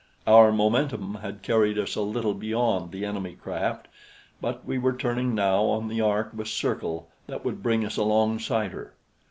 Our momentum had carried us a little beyond the enemy craft, but we were turning now on the arc of a circle that would bring us alongside her.